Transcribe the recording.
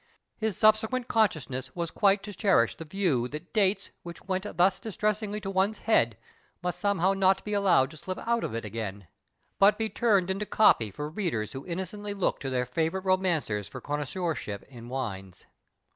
His subsequent consciousness was (iiiile to cherish the view that 57 PASTICHE AND PREJUDICE dates which went thus distressingly to one's head must somehow not be allowed to slip out of it a^ain, but be turned into " coj)y " for readers who inno cently look to their favourite romancers for eon noisseurship in wines.